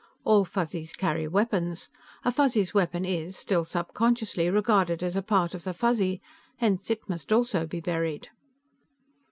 All Fuzzies carry weapons. A Fuzzy's weapon is still subconsciously regarded as a part of the Fuzzy, hence it must also be buried."